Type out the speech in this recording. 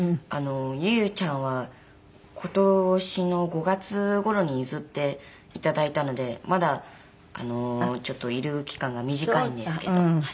ゆゆちゃんは今年の５月頃に譲って頂いたのでまだちょっといる期間が短いんですけど。